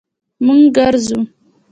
مونږ ګرځو